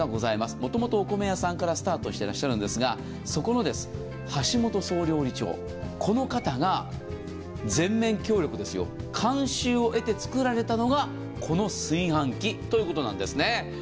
もともとお米屋さんからスタートしていらっしゃるんですが、そこの橋本総料理長、この方が全面協力、監修を得て作られたのがこの炊飯器ということなんですね。